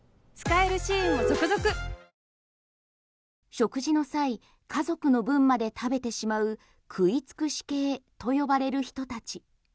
食事の際家族の分まで食べてしまう食い尽くし系と呼ばれる人たち。